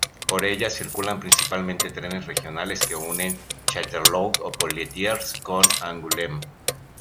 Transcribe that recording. Por ella circulan principalmente trenes regionales que unen Châtellerault o Poitiers con Angoulême.